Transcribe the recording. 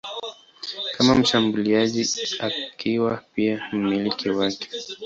kama mshambuliaji akiwa pia mmiliki wake.